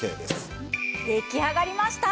出来上がりました！